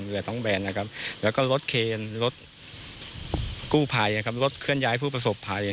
เรือท้องแบนนะครับแล้วก็รถเคนรถกู้ภัยนะครับรถเคลื่อนย้ายผู้ประสบภัย